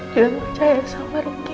jangan percaya sama riki